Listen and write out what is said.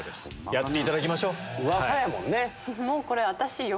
やっていただきましょう。